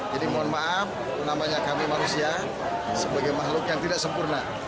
jadi mohon maaf namanya kami manusia sebagai makhluk yang tidak sempurna